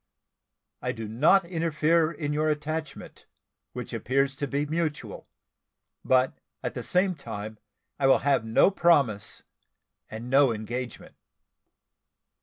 I do not interfere in your attachment, which appears to be mutual; but at the same time, I will have no promise, and no engagement.